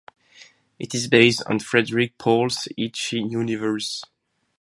It is based on Frederik Pohl's Heechee universe.